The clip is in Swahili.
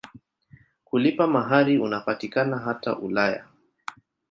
Kulipa mahari unapatikana hata Ulaya.